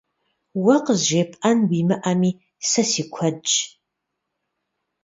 Уэ къызжепӀэн уимыӀэми, сэ си куэдщ.